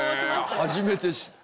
へえ初めて知った！